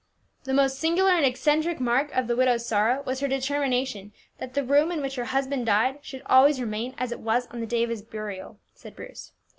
"The most singular and eccentric mark of the widow's sorrow was her determination that the room in which her husband died should always remain as it was on the day of his burial," said Bruce.